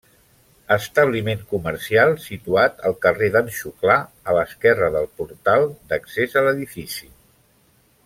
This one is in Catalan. Establiment comercial situat al carrer d'en Xuclà, a l'esquerre del portal d'accés a l'edifici.